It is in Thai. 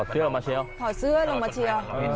ถอดเสื้อลงมาเชียว